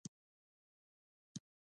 پاچا خپلو خلکو ته په درنه سترګه نه ګوري .